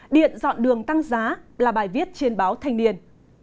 điện dọn đường tăng giá là bài viết trên báo thanh niên